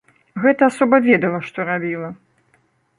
Гэта асоба ведала, што рабіла.